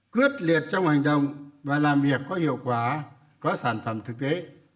quyết liệt trong hành động và làm việc có hiệu quả có sản phẩm thực tế